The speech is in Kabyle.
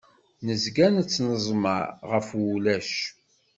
Nezga nettneẓma ɣef wulac.